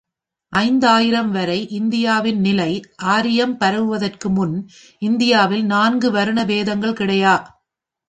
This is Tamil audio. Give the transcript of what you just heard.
ஐந்து ஆயிரம் வரை இந்தியாவின் நிலை ஆரியம் பரவுவதற்கு முன் இந்தியாவில் நான்கு வருண பேதங்கள் கிடையா.